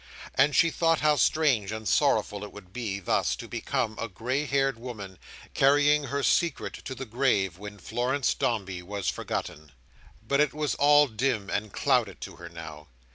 And she thought how strange and sorrowful it would be, thus to become a grey haired woman, carrying her secret to the grave, when Florence Dombey was forgotten. But it was all dim and clouded to her now.